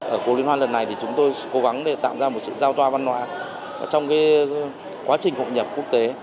ở cuộc liên hoan lần này thì chúng tôi cố gắng để tạo ra một sự giao toa văn hóa trong quá trình hội nhập quốc tế